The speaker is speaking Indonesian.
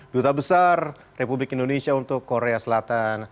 duta besar republik indonesia untuk korea selatan